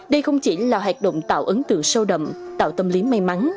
đây không chỉ là hoạt động tạo ấn tượng sâu đậm tạo tâm lý may mắn